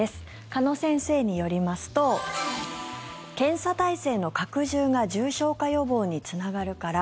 鹿野先生によりますと検査体制の拡充が重症化予防につながるから。